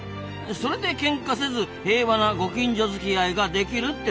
それでけんかせず平和なご近所づきあいができるってわけですな。